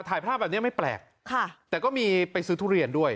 ถ่ายภาพแบบนี้ไม่แปลกค่ะแต่ก็มีไปซื้อทุเรียนด้วย